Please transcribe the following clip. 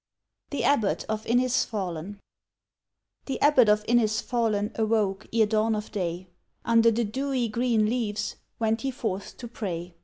THE ABBOT OF INNISFALLEN The Abbot of Innisfallen awoke ere dawn of day; Under the dewy green leaves went he forth to pray.